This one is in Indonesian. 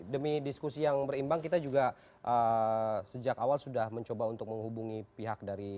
demi diskusi yang berimbang kita juga sejak awal sudah mencoba untuk menghubungi pihak dari